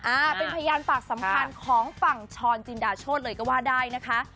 อ่าเป็นพยานปากสำคัญของฝั่งช้อนจินดาโชธเลยก็ว่าได้นะคะ